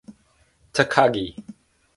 Takagi.